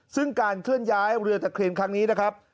ซึ่งการเคลื่อนย้ายเรือตะเคียนครั้งนี้นะครับ